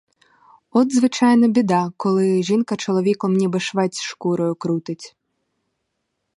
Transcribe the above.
От, звичайно, біда, коли жінка чоловіком ніби швець шкурою крутить.